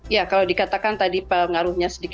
ya kalau dikatakan tadi pengaruhnya sedikit